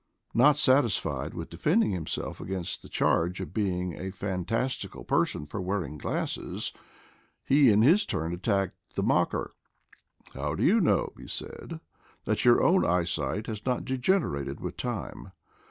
Not satisfied with defending him self against the charge of being a fantastical per son for wearing glasses, he in his turn attacked the mocker. "How do you know," he said, "that your own eyesight has not degenerated with time?